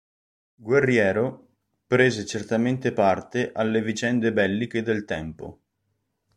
Guerriero, prese certamente parte alle vicende belliche del tempo.